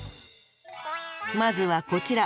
まずはこちら。